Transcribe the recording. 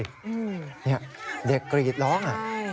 เนี่ยเด็กกรีดร้อง